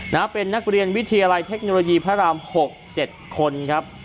นะเป็นนักเรียนวิทยาลัยเทคโนโลยีพระราม๖๗คนครับ